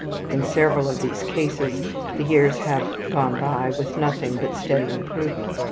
In several of these cases the years have gone by with nothing but steady improvement.